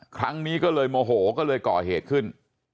ครั้งนี้ก็เลยโมโหก็เลยก่อเหตุขึ้น